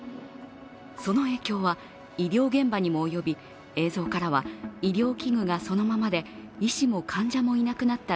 その影響は医療現場にも及び映像からは医療器具がそのままで、医師も患者もいなくなった